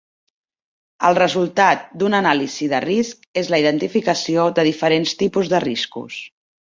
El resultat d'un anàlisi de risc és la identificació de diferents tipus de riscos.